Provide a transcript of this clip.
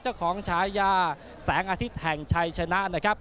ฉายาแสงอาทิตย์แห่งชัยชนะนะครับ